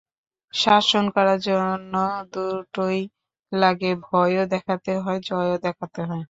শাসন করার জন্য দুটোই লাগে, ভয়ও দেখাতে হয়, জয়ও দেখাতে হয়।